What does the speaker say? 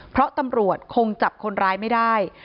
เพราะตำรวจคงจับคนร้ายไม่ได้